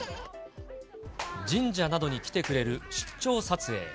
神社などに来てくれる出張撮影。